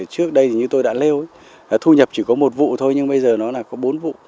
trước đây thì như tôi đã leo ý thu nhập chỉ có một vụ thôi nhưng bây giờ nó là có bốn vụ